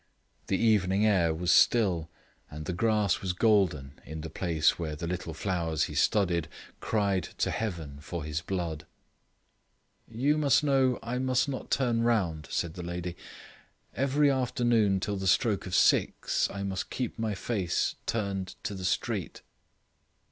The evening air was still, and the grass was golden in the place where the little flowers he studied cried to heaven for his blood. "You know I must not turn round," said the lady; "every afternoon till the stroke of six I must keep my face turned to the street."